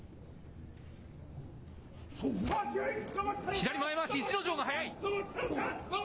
左前まわし、逸ノ城が速い。